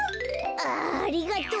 あありがとう！